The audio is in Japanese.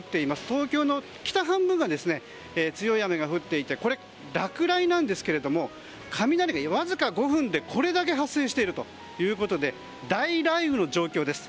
東京の北半分で強い雨が降っていて落雷なんですけど雷が、わずか５分でこれだけ発生しているということで大雷雨の状況です。